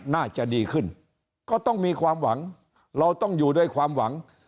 น่าจะดีขึ้นก็ต้องมีความหวังเราต้องอยู่ด้วยความหวัง